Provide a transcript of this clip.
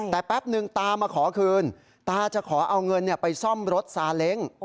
แต่แป๊บนึงตามาขอคืนตาจะขอเอาเงินไปซ่อมรถซาเล้ง